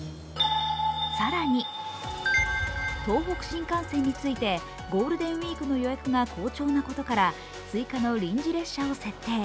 更に、東北新幹線についてゴールデンウイークの予約が好調なことから追加の臨時列車を設定。